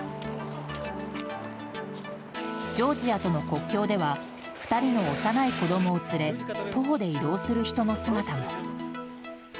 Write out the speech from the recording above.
ジョージアとの国境では２人の幼い子供を連れ徒歩で移動する人の姿も。